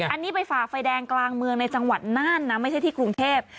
อันนี้ไปฝ่าไฟแดงกลางเมืองในจังหวัดน่านนะไม่ใช่ที่กรุงเทพ